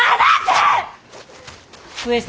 上様！